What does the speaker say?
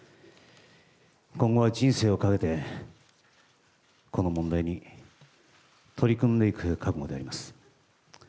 今後は人生をかけて、この問題に取り組んでいく覚悟であります。